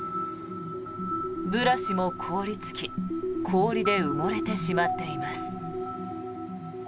ブラシも凍りつき氷で埋もれてしまっています。